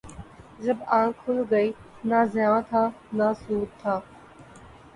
جب آنکھ کھل گئی، نہ زیاں تھا نہ سود تھا